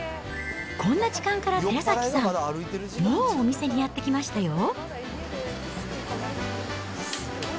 こんな時間から寺崎さん、もうお店にやって来ましたよ。